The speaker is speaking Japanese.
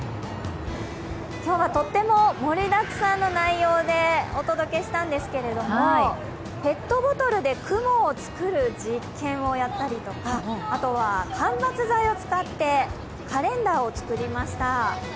今日はとっても盛りだくさんの内容でお届けしたんですが、ペットボトルで雲を作る実験をやったりとか、あとは間伐材を使ってカレンダーを作りました。